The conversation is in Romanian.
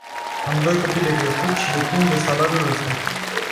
Am doi copii de crescut și depind de salariul ăsta.